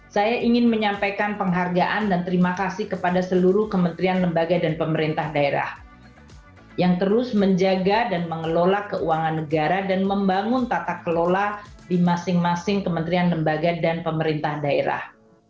saya ingin menyampaikan penghargaan dan terima kasih kepada seluruh kementerian lembaga dan pemerintah daerah yang terus menjaga dan mengelola keuangan negara dan membangun tata kelola di masing masing kementerian lembaga dan pemerintah daerah